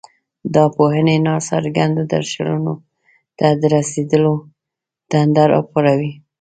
دا پوهنې ناڅرګندو درشلونو ته د رسېدلو تنده راپاروي.